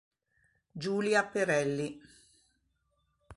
Giulia Perelli